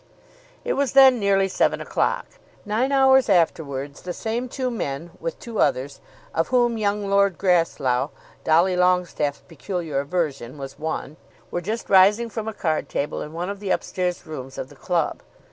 It was then nearly seven o'clock. Nine hours afterwards the same two men, with two others, of whom young Lord Grasslough, Dolly Longestaffe's peculiar aversion, was one, were just rising from a card table in one of the up stairs rooms of the club.